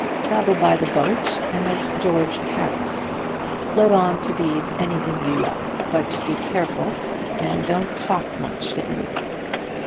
Travel by the boat as George Harris. Let on to be anything you like, but be careful, and don't talk much to anybody.